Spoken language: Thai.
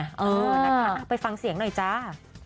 เออนะคะไปฟังเสียงหน่อยจ้า